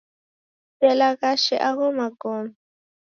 Kuselaghashe agho magome.